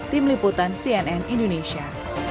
tim liputan cnn indonesia